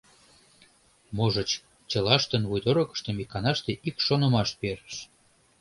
Можыч, чылаштын вуйдорыкыштым иканаште ик шонымаш перыш.